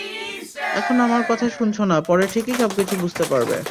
এখন আমার কথা শুনছো না, পরে ঠিকই সবকিছু বুঝতে পারবে।